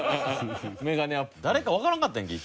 誰かわからんかったやんけ。